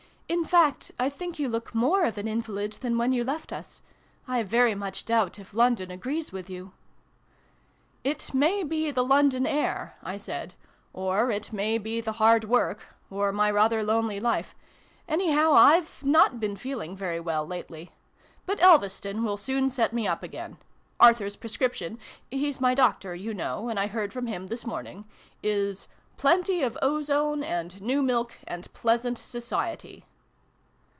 "In fact, I think you look more of an invalid than when you left us. I very much doubt if London agrees with you ?" "It may be the London air," I said, " or it may be the hard work or my rather lonely life : anyhow, I've not been feeling very well, lately. But Elveston will soon set me up again. Arthur's prescription he's my doctor, you know, and I heard from him this morn ing is ' plenty of ozone, and new milk, and pleasant society